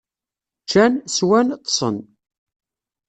Ččan, swan, ṭṭsen.